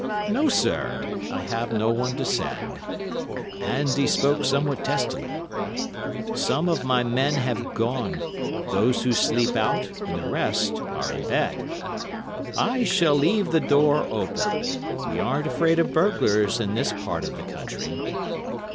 No, sir, I have no one to send,' and he spoke somewhat testily. 'Some of my men have gone—those who sleep out, and the rest are in bed. I shall leave the door open. We aren't afraid of burglars in this part of the country.